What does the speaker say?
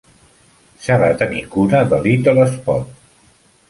S'ha de tenir cura de Little Spot!